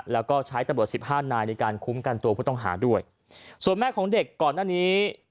แล้วก็ใช้ตำรวจสิบห้านายในการคุ้มกันตัวผู้ต้องหาด้วยส่วนแม่ของเด็กก่อนหน้านี้